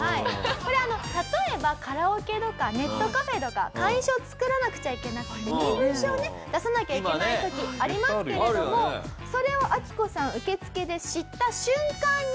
これあの例えばカラオケとかネットカフェとか会員証を作らなくちゃいけなくて身分証をね出さなきゃいけない時ありますけれどもそれをアキコさん受付で知った瞬間に。